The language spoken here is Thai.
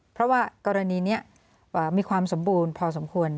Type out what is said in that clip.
เพราะว่ากรณีนี้มีความสมบูรณ์พอสมควร